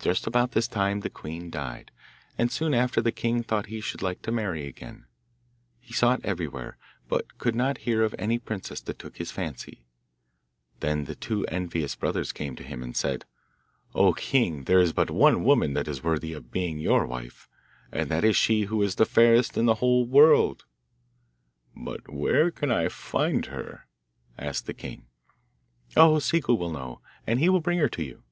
Just about this time the queen died, and soon after the king thought he should like to marry again. He sought everywhere, but he could not hear of any princess that took his fancy. Then the two envious brothers came to him and said, 'O king! there is but one woman that is worthy of being your wife, and that is she who is the fairest in the whole world.' 'But where can I find her?' asked the king 'Oh, Ciccu will know, and he will bring her to you.